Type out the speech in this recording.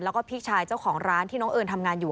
แล้วก็พี่ชายเจ้าของร้านที่น้องเอิญทำงานอยู่